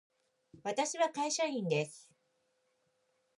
私は会社員です。